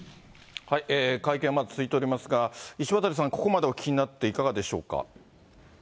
会見まだ続いていますが、石渡さん、ここまでお聞きになっていかがでしょうか。